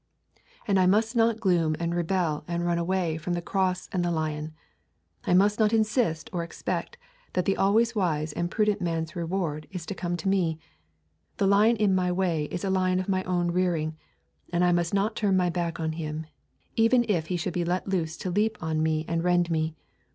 And I must not gloom and rebel and run away from the cross and the lion. I must not insist or expect that the always wise and prudent man's reward is to come to me. The lion in my way is a lion of my own rearing; and I must not turn my back on him, even if he should be let loose to leap on me and rend me.